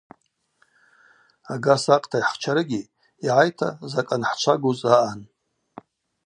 Ага сакъта йхӏхчарыгьи, йгӏайта закӏ анхӏчвагуз аъан.